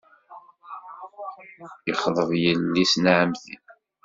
Yexḍeb yelli-s n ɛemmti.